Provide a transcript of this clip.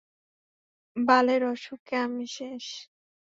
বালের অসুখে আমি শেষ।